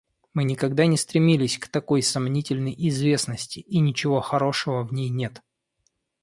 Мы никогда не стремились к такой сомнительной известности, и ничего хорошего в ней нет.